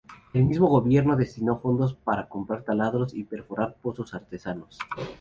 El mismo gobierno destinó fondos para comprar taladros y perforar pozos artesanos.